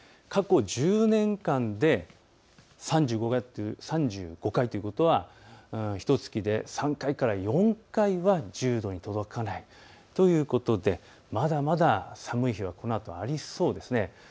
過去１０年間で３５回ということはひとつきで３回から４回は１０度に届かないということでまだまだ寒い日はこのあとありそうです。